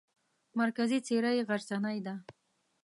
مرکزي څېره یې غرڅنۍ ده.